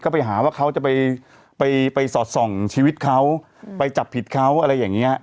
ก็ไปหาว่าเขาจะไปไปสอดส่องชีวิตเขาไปจับผิดเขาอะไรอย่างเงี้ย